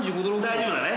大丈夫だね。